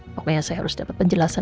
pokoknya saya harus dapat penjelasan